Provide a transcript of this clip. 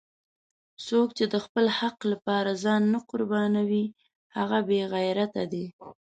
څوک چې د خپل حق لپاره ځان نه قربانوي هغه بېغیرته دی!